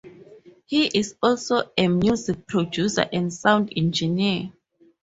He is also a music producer and sound engineer.